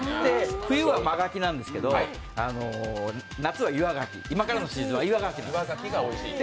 冬は真がきなんですけど夏は岩がき、今からのシーズンは岩がきがおいしいんです。